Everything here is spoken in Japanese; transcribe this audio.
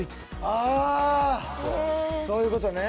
あ、そういうことね。